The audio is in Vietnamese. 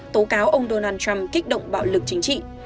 tố cáo ông donald trump kích động bạo lực chính trị